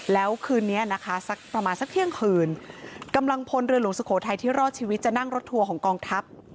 แล้วคืนนี้นะคะสักประมาณสักเที่ยงคืนกำลังพลเรือหลวงสุโขทัยที่รอดชีวิตจะนั่งรถทัวร์ของกองทัพ